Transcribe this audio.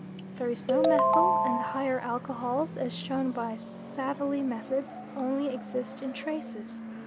"There is no methyl, and the higher alcohols, as shown by Savalie's method, only exist in traces.